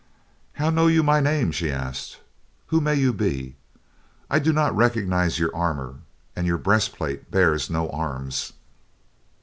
"How know you my name?" she asked. "Who may you be? I do not recognize your armor, and your breastplate bears no arms."